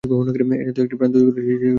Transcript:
এ জাতীয় একটি প্রাণ সে তৈরি করতে চেষ্টা করবে।